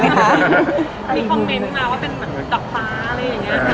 มีคอมเมนต์มาว่าเป็นเหมือนดอกฟ้าอะไรอย่างนี้